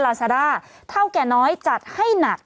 ลาซาด้าเท่าแก่น้อยจัดให้หนัก